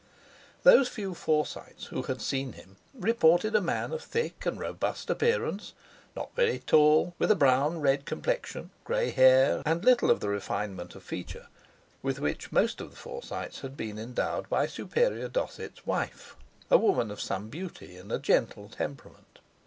Those few Forsytes who had seen him reported a man of thick and robust appearance, not very tall, with a brown red complexion, grey hair, and little of the refinement of feature with which most of the Forsytes had been endowed by "Superior Dosset's" wife, a woman of some beauty and a gentle temperament.